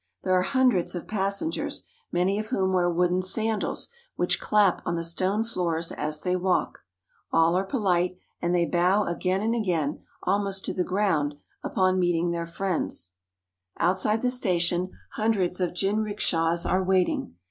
There are hundreds of passengers, many of whom wear wooden sandals, which clap on the stone floors as they walk. All are polite, and 36 JAPAN they bow again and again almost to the ground upon meeting their friends. Outside the station hundreds of jinrikishas are waiting.